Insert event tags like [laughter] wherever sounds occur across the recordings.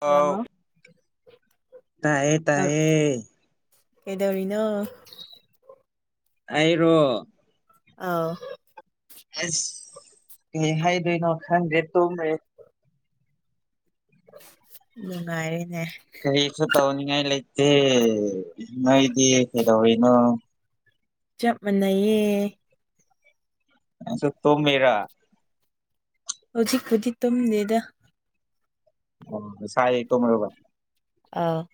hello ꯇꯌꯦ ꯇꯌꯦ ꯀꯩꯗꯧꯔꯤꯅꯣ ꯑꯩꯔꯣ ꯑꯥ ꯑꯁ ꯀꯩ ꯍꯥꯏꯗꯣꯏꯅꯣ ꯈꯪꯗ꯭ꯔꯦ ꯇꯨꯝꯃꯦꯦ ꯅꯨꯡꯉꯥꯏꯔꯦꯅꯦ ꯀꯔꯤꯁꯨ ꯇꯧꯅꯤꯡꯉꯥꯏ ꯂꯩꯇꯦ ꯅꯣꯏꯗꯤ ꯀꯩꯗꯧꯅꯣ ꯆꯞ ꯃꯥꯟꯅꯩꯌꯦ ꯑꯁ ꯇꯣ ꯃꯦꯥ ꯍꯧꯖꯤꯛ ꯍꯧꯖꯤꯛ ꯇꯨꯝ ꯗꯗ ꯑꯣ ꯁꯔ ꯀꯣ ꯃꯔꯕ ꯑ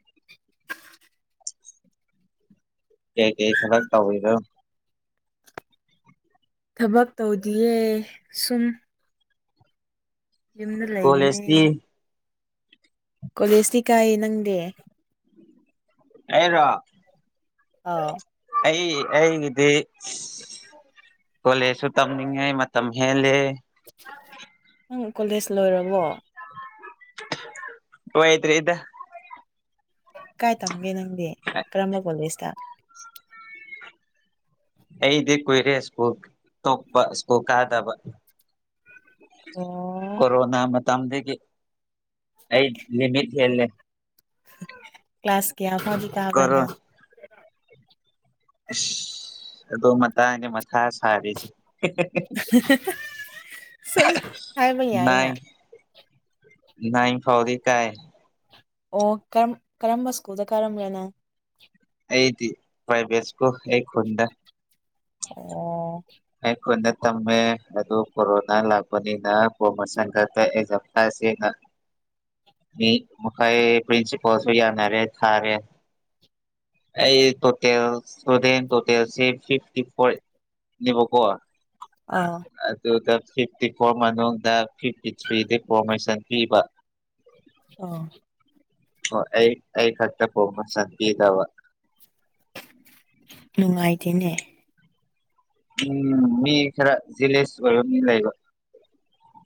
ꯀ ꯀꯩ ꯊꯂꯛ ꯇ ꯑꯣꯏꯣꯏꯗ ꯊꯕꯛ ꯇꯧꯗꯤꯌꯦ ꯁꯨꯝ ꯌꯨꯝꯗ ꯂꯩꯕꯅꯦ ꯀꯣꯂꯦꯖꯇꯤ ꯀꯣꯂꯦꯖꯇꯤ ꯀꯥꯏꯌꯦ ꯅꯪꯗꯦ ꯑꯩꯔ ꯑꯥꯎ ꯑꯩ ꯑꯩꯒꯤꯗꯤ ꯀꯣꯂꯦꯖꯁꯨ ꯇꯝꯅꯤꯡꯉꯦ ꯃꯇꯝ ꯍꯦꯜꯂꯦ ꯅꯪ ꯀꯣꯂꯦꯖ ꯂꯣꯏꯔꯕꯣ ꯍꯣꯏꯇꯔꯤ ꯏꯗ ꯀꯥꯏ ꯇꯝꯒꯦ ꯅꯪꯗꯤ ꯀꯔꯝꯕ ꯀꯣꯂꯦꯖꯇ ꯑꯩꯗꯤ ꯀꯨꯏꯔꯦ ꯁ꯭ꯀꯨꯜ ꯇꯣꯄ ꯁ꯭ꯀꯨꯜ ꯀꯥꯗꯕ ꯑꯣ ꯀꯣꯔꯣꯅꯥ ꯃꯇꯝ ꯃꯇꯝ ꯑꯃꯗ ꯑꯩ ꯂꯤꯚꯤꯁꯤꯅꯦ ꯀ꯭ꯂꯥꯁ ꯀꯌꯥ ꯐꯥꯎꯗꯤ ꯀꯣꯔꯣ ꯇꯥꯕ꯭ꯔꯅ ꯑꯗꯣ ꯃꯊꯅꯦ ꯃꯊꯥ ꯁꯔꯤ ꯁꯨꯝ ꯍꯥꯏꯕꯅꯦ ꯑꯩꯅ ꯅ ꯐꯥꯎꯔꯤ ꯀꯥꯏ ꯑꯣꯔ ꯀꯔꯝꯕ ꯁ꯭ꯀꯨꯜꯗ ꯀꯥꯔꯝꯕꯅꯅꯣ ꯑꯩꯗꯤ ꯐꯥꯏꯕꯦꯁꯀꯣ ꯑꯩ ꯈꯨꯟꯗ ꯑꯣ ꯑꯩ ꯅ ꯇꯝꯃꯦ ꯑꯗꯨ ꯀꯣꯔꯣꯅꯥ ꯂꯥꯛꯄꯅꯤꯅꯁ ꯈꯞꯁꯤ [inaudible] ꯃꯈꯥꯏ ꯄꯤꯟꯁꯤꯄꯜꯁꯨ ꯌꯥꯅꯥ ꯔꯦ ꯊꯥꯔꯦ ꯑꯩ ꯇꯣꯇꯦꯜ ꯁꯣꯗꯦꯟ ꯇꯣꯇꯦꯜꯁꯤ ꯐꯤꯐꯇ ꯐꯣꯔ ꯅꯕ ꯀꯣ ꯑꯥ ꯑꯗꯨ ꯑꯗꯨ ꯐꯤꯐꯇꯤ ꯐꯣꯔ ꯃꯅꯨꯡꯗ ꯐꯤꯐꯇꯤ ꯊ꯭ꯔꯤ ꯗ ꯐꯣꯔꯃꯦꯁꯟ ꯄꯤꯕ ꯑ ꯑꯣ ꯑꯩ ꯑꯩ ꯈꯛꯇ ꯀꯕꯁꯗꯤꯗꯕ ꯅꯨꯡꯉꯥꯏꯇꯦꯅꯦ ꯎꯝ ꯃꯤ ꯈꯔ ꯖꯤꯂꯦꯁ ꯑꯣꯏꯕ ꯃꯤ ꯂꯩꯕ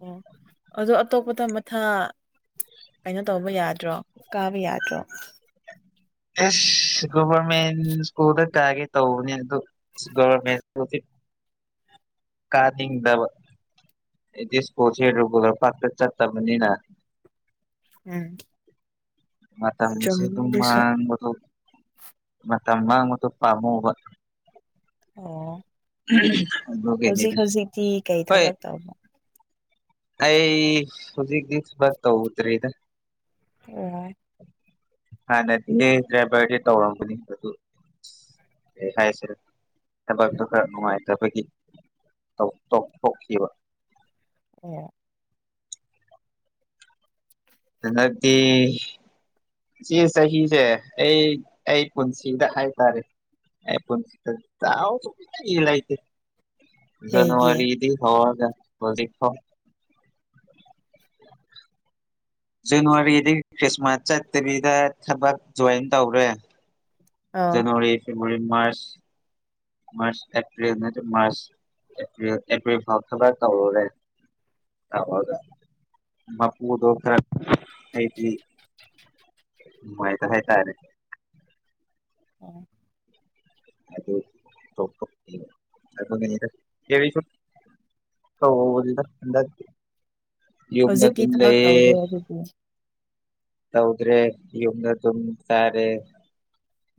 ꯑꯣ ꯑꯗꯣ ꯑꯇꯣꯞꯄ ꯊ ꯃꯊꯥ ꯀꯩꯅꯣ ꯇꯧꯕ ꯌꯥꯗ꯭ꯔꯣ ꯀꯥꯕ ꯌꯥꯗ꯭ꯔꯣ ꯑꯦꯁ ꯚꯔꯃꯦꯟ ꯁ꯭ꯀꯨꯜ ꯀꯥꯒꯦ ꯇꯧꯕꯅꯤ ꯑꯗꯨ ꯒꯣꯔꯃꯦꯟ ꯀꯥꯗꯤꯗꯕ ꯏꯗꯤ ꯏꯁꯄꯣꯔꯠ ꯍꯔꯒ ꯄꯥꯛꯇꯦ ꯆꯠ ꯇꯥꯕꯅꯤꯅ ꯎꯝ ꯆꯨꯝꯃꯤ ꯃꯁꯤꯃꯗꯨ ꯑꯗꯨꯁꯨ ꯃ ꯇꯃ ꯃꯨ ꯇ ꯄꯥꯃꯨ ꯑꯣ ꯎꯝ ꯍꯧꯖꯤꯛ ꯍꯧꯖꯤꯛꯇꯤ ꯀꯩ ꯊꯕꯛ ꯇꯧꯕꯅꯣ ꯑꯩ ꯍꯧꯖꯤꯛꯁ ꯔ ꯇꯧ ꯎꯗꯔꯤꯔꯤꯗ ꯑꯣ ꯍ ꯅ ꯔꯥꯏꯕꯔ ꯇꯧꯔ ꯍ ꯀꯥꯏꯁꯦ ꯊꯕꯛꯇꯨ ꯈꯔ ꯅꯨꯡꯉꯥꯏꯇꯕꯒꯤ ꯇꯊꯣꯛꯈꯤꯕ ꯑꯣ ꯑꯗꯨꯀꯤ ꯁꯤ ꯆꯍꯤꯁꯦ ꯑꯩ ꯑꯩ ꯄꯨꯟꯁꯤꯗ ꯍꯥꯏꯇꯥꯔꯦ ꯑꯩ ꯄ ꯏ ꯂ ꯏꯦ ꯀꯩꯒꯤ ꯖꯅꯋꯥꯔꯤꯔꯤꯗꯤ ꯍꯋꯥꯒꯣ ꯖꯅꯋꯥꯔꯤꯗꯒꯤ ꯈ꯭ꯔꯤꯁꯃꯥꯁ ꯆꯠꯇꯕꯤꯗ ꯊꯕꯛ ꯖꯣꯏꯟ ꯇꯧꯔꯦ ꯑꯥꯎ ꯖꯅꯋꯥꯔꯤ ꯐꯦꯕ꯭ꯔꯨꯋꯥꯔꯤ ꯃꯥꯔꯆ ꯃꯔ ꯑꯦꯄ꯭ꯔꯜ ꯅꯠꯇ ꯃꯥꯔꯁ ꯑꯦꯄ꯭ꯔ ꯑꯦꯄ꯭ꯔꯜ ꯐꯥꯎ ꯊꯕ ꯀꯧꯔꯦ ꯍꯗ ꯃꯄꯨ ꯗꯣꯁ꯭ꯔ ꯑꯇꯔꯤ ꯃꯥꯏ ꯇ ꯍꯥꯏꯥꯏ ꯇꯥꯏꯔꯦ ꯑꯣ ꯑꯗꯨ ꯑꯗꯨꯦꯁꯨ ꯍꯗꯗ ꯌꯨꯅ ꯍꯧꯖꯤꯛꯇꯤ ꯑꯗꯨ ꯊꯕꯛ ꯇꯧꯗ꯭ꯔꯦ ꯂꯩ ꯑꯗꯨꯗꯤ ꯇꯧꯗ꯭ꯔꯦ ꯌꯨꯝꯗ ꯑꯗꯨꯝ ꯇꯥꯔꯦ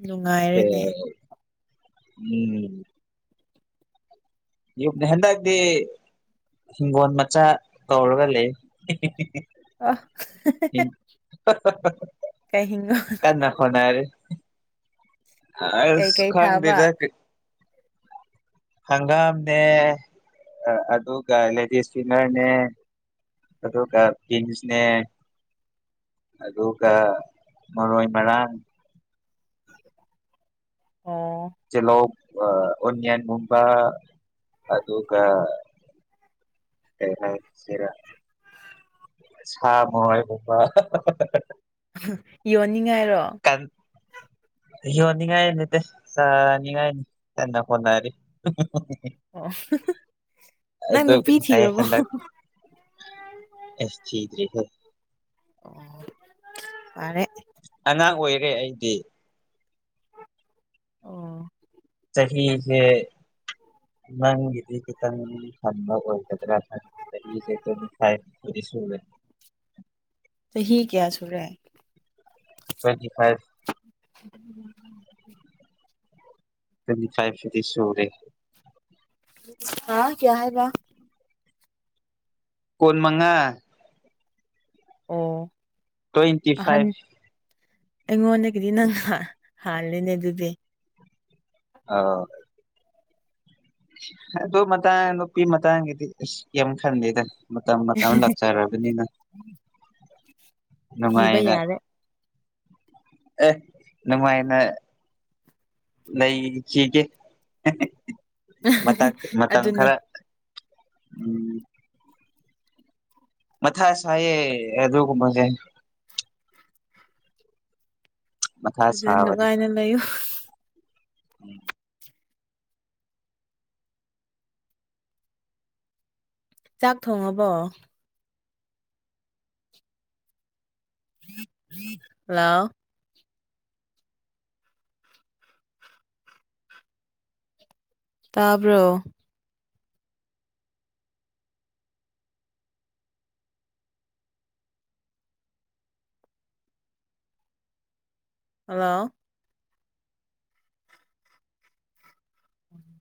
ꯅꯨꯡꯉꯥꯏꯔꯦꯅꯦ ꯎꯝ ꯌꯅꯤ ꯍꯗꯒꯗꯤ ꯍꯒꯣꯟꯟ ꯃꯆꯥ ꯇꯧꯔꯒ ꯂꯩꯦ ꯑ ꯀꯩ ꯍꯤꯡꯒꯣ ꯀ ꯅ ꯐꯣꯅ ꯑꯁ ꯀꯩꯀꯩ ꯊꯥꯕ ꯈꯟꯗꯤꯗ ꯍꯪꯒꯥꯝꯅꯦ ꯑꯗꯨꯒꯗꯤ ꯁ꯭ꯅꯔꯅꯦ ꯑꯗꯨ ꯀꯁꯅꯦ ꯑꯗꯨꯒ ꯀ ꯃꯔꯣꯏ ꯃꯔꯔꯥꯡ ꯑꯣ ꯑ ꯑꯣꯟꯌꯥꯟ ꯃꯨꯝꯕꯥ ꯑꯗꯨꯒ ꯍ ꯍ ꯁꯤꯔ ꯁꯥ ꯃꯣꯏꯕꯥ ꯌꯣꯟꯅꯤꯡꯉꯥꯏꯔꯣ ꯌꯣꯟꯅꯤꯡꯉꯥꯏ ꯅꯇꯦ ꯆꯥꯅꯤꯡꯉꯥꯏꯅꯤꯟꯅ ꯍꯣꯅꯔꯤ ꯑ ꯑꯗꯨ ꯑꯈꯟꯗ ꯑꯁ ꯊꯦ ꯑꯣ ꯃꯥꯔꯦ ꯑꯉꯥꯡ ꯑꯣꯏꯔꯦ ꯑꯩꯗꯤ ꯑ ꯍꯦ ꯅꯪꯗꯤ ꯀꯪ ꯊ ꯑꯣꯏꯗ꯭ꯔꯦ ꯁꯂ ꯆꯍꯤꯍꯤ ꯀꯌꯥ ꯁꯨꯔꯦ ꯇ꯭ꯋꯦꯟꯇꯤ ꯐꯥꯏꯚ ꯑꯗꯨ ꯇ꯭ꯋꯦꯟꯇꯤ ꯐꯥꯏꯚꯗꯤ ꯁꯔꯤꯦ ꯍꯥꯥ ꯀꯌꯥ ꯍꯥꯏ ꯀꯣꯣꯟꯃꯉ ꯑꯣ ꯇ꯭ꯋꯦꯟꯇꯤ ꯑꯍꯟ ꯐꯥꯏꯚ ꯑꯩꯉꯣꯟꯗꯒꯤꯗꯤ ꯅꯪ ꯍꯥꯂꯦꯅꯦ ꯑꯗꯨꯗꯤ ꯑ ꯑꯗꯨ ꯑꯗꯨ ꯃꯇꯥꯡ ꯅꯨꯄꯤ ꯃꯇꯥꯡꯒꯤꯗꯤ ꯑꯁ ꯌꯥꯝ ꯈꯟꯗꯦꯗ ꯃꯇꯝ ꯃꯇꯝ ꯂꯥꯛꯆꯔꯔꯕꯅꯤꯅ ꯊꯤꯕ ꯌꯥꯔꯦ ꯑꯦ ꯅꯨꯡꯃꯥꯏꯅ ꯂꯩꯈꯤꯒꯦ ꯃꯇꯝ ꯑꯗꯨꯅꯦ ꯈꯔ ꯎꯝ ꯃꯊꯁꯌꯦ ꯑꯗꯨꯒ ꯃꯒꯦ ꯃꯊꯥ ꯑꯗꯨ ꯅꯨꯡꯉꯥꯏꯅ ꯂꯩꯌꯨ ꯎꯝ ꯆꯥꯛ ꯊꯣꯡꯉꯕꯣ ꯂ ꯇꯥꯕ꯭ꯔꯣ ꯍꯜꯂꯣ ꯎꯝ